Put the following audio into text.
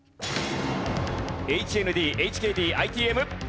ＨＮＤＨＫＤＩＴＭ。